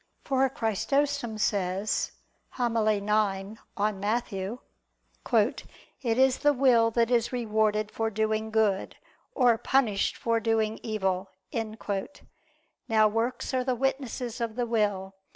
For Chrysostom says (Hom. xix in Matt.): "It is the will that is rewarded for doing good, or punished for doing evil." Now works are the witnesses of the will.